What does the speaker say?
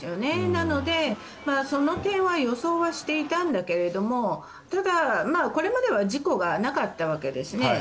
なので、その点は予想はしていたんだけどただ、これまでは事故がなかったわけですね。